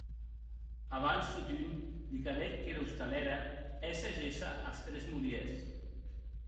Abans, totun, li calec qu’era ostalèra hèsse gésser as tres molièrs.